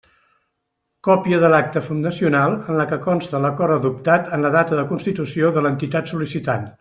Còpia de l'acta fundacional, en la que conste l'acord adoptat en la data de constitució de l'entitat sol·licitant.